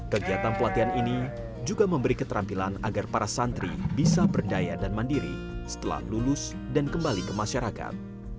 kegiatan pelatihan ini juga memberi keterampilan agar para santri bisa berdaya dan mandiri setelah lulus dan kembali ke masyarakat